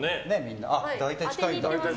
大体近いんだ。